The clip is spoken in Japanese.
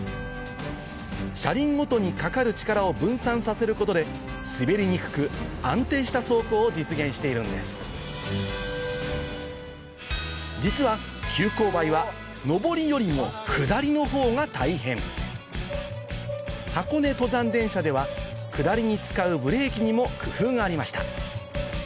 車輪ごとにかかる力を分散させることで滑りにくく安定した走行を実現しているんです実は急勾配は上りよりも下りの方が大変箱根登山電車では下りに使うブレーキにも工夫がありました